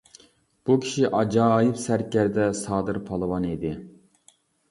بۇ كىشى ئاجايىپ سەركەردە سادىر پالۋان ئىدى.